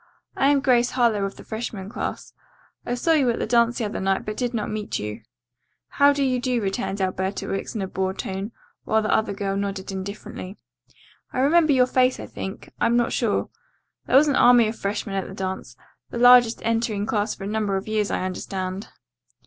I am Grace Harlowe of the freshman class. I saw you at the dance the other night but did not meet you." "How do you do?" returned Alberta Wicks in a bored tone, while the other girl nodded indifferently. "I remember your face, I think. I'm not sure. There was an army of freshmen at the dance. The largest entering class for a number of years, I understand."